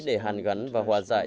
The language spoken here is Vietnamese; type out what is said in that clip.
để hàn gắn và hòa giải